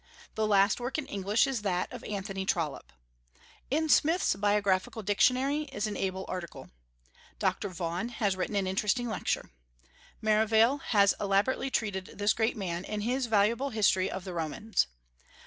The last work in English is that of Anthony Trollope. In Smith's Biographical Dictionary is an able article. Dr. Vaughan has written an interesting lecture. Merivale has elaborately treated this great man in his valuable History of the Romans.